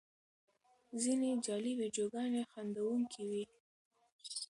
ځینې جعلي ویډیوګانې خندوونکې وي.